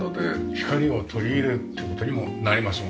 光を取り入れるって事にもなりますもんね。